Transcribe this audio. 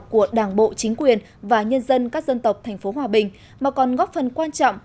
của đảng bộ chính quyền và nhân dân các dân tộc thành phố hòa bình mà còn góp phần quan trọng